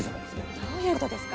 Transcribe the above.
どういうことですか？